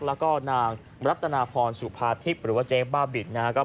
แล้วก็นางรัตนาพรสุภาทิพย์หรือว่าเจ๊บ้าบินนะครับ